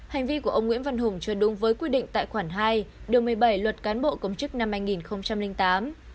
hành vi của ông nguyễn văn hùng chưa đúng với quy định tại khoản hai điều một mươi bảy luật cán bộ công chức năm hai nghìn tám